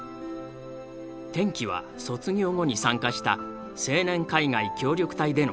転機は卒業後に参加した青年海外協力隊での経験。